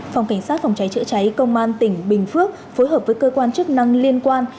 phòng cảnh sát phòng cháy chữa cháy công an tỉnh bình phước phối hợp với cơ quan chức năng liên quan